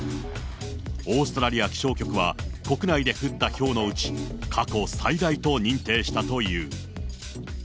オーストラリア気象局は、国内で降ったひょうのうち、過去最大と認定したという。